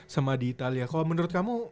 sama di italia kalau menurut kamu